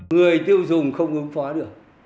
người tiêu dùng không ứng phó được